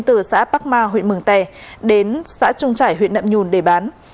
từ xã bắc ma huyện mường tè đến xã trung trải huyện nậm nhùn để bán